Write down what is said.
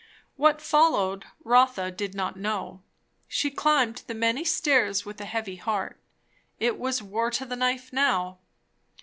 What followed, Rotha did not know. She climbed the many stairs with a heavy heart. It was war to the knife now.